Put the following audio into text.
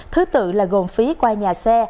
thứ tự là gồm phí qua nhà xe